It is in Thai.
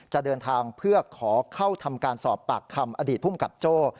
จะเดินทางเพื่อขอเข้าทำการสอบปากคำอดีตภูมิกับโจ้